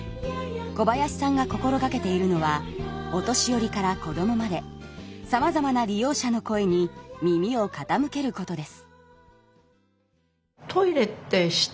小林さんが心がけているのはお年寄りからこどもまでさまざまな利用者の声に耳をかたむけることです